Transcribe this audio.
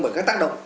bởi các tác động